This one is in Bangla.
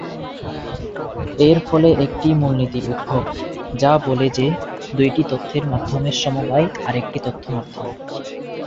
এর ফলে একটি মূলনীতির উদ্ভব, যা বলে যে দুইটি তথ্য মাধ্যমের সমবায় আরেকটি তথ্য মাধ্যম।